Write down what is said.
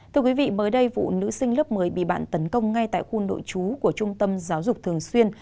thưa quý vị mới đây vụ nữ sinh lớp một mươi bị bạn tấn công ngay tại khuôn nội chú của trung tâm giáo dục thường xuyên